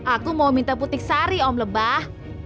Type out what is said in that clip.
aku mau minta putih sari om lebah